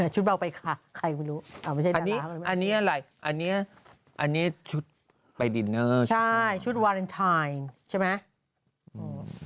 ชุดเบาไปค่ะไม่รู้อันนี้อะไรอันนี้ชุดไปดินเนอร์ชุดวาเลนไทน์ใช่ไหม